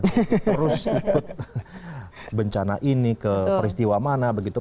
terus ikut bencana ini ke peristiwa mana begitu